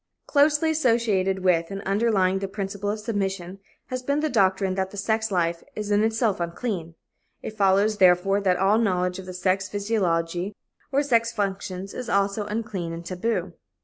Closely associated with and underlying the principle of submission, has been the doctrine that the sex life is in itself unclean. It follows, therefore, that all knowledge of the sex physiology or sex functions is also unclean and taboo.